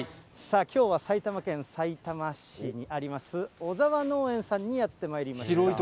きょうは、埼玉県さいたま市にあります、小澤農園さんにやってまいりました。